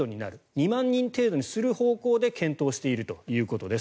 ２万人程度にする方向で検討しているということです。